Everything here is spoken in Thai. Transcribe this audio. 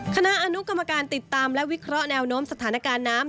คณะอนุกรรมการติดตามและวิเคราะห์แนวโน้มสถานการณ์น้ำ